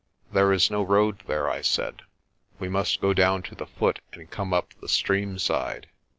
"There is no road there," I said. "We must go down to the foot and come up the stream side.